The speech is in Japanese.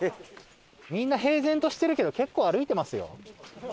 みんな平然としてるけど結構歩いてますよ。